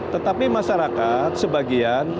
tetapi masyarakat sebagian